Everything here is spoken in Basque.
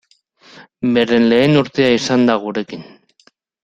Beren lehen urtea izan da gurekin.